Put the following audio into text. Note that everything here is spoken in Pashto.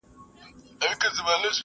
کمپيوټر ګمرک تنظيموي.